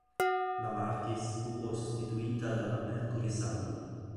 La Marquis fu poi sostituita dalla Mercury Sable.